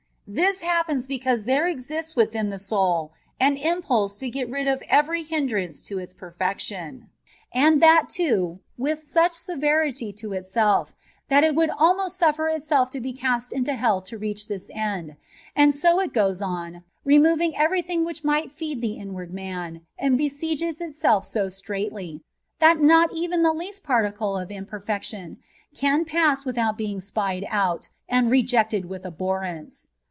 This happens because tbere exists within tbe soul an impulse to get rìd of everj hindrance to its perfection, and that too witb such severity to itself, that it would almost suffer ìtself to be cast into beli to reach this end : and so it goes on, removing every thing which might feed the inward man, and besieges itself so straitly, that not even the least particle of imperfection can pass without being spied out, and rejected with abhor rence.